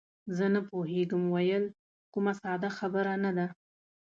زه نه پوهېږم ویل، کومه ساده خبره نه ده.